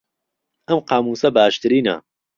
ئەم قامووسە باشترینە.